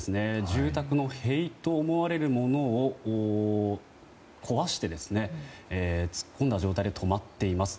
住宅の塀と思われるものを壊して突っ込んだ状態で止まっています。